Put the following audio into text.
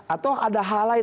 atau ada hal lain